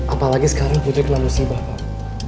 apalagi sekarang putri telah musibah pak